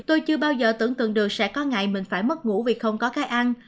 tôi chưa bao giờ tưởng tượng được sẽ có ngày mình phải mất ngủ vì không có cái ăn